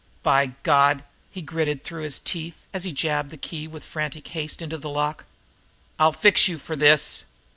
"By God!" he gritted through his teeth, as he jabbed the key with frantic haste into the lock. "I'll fix you for this!"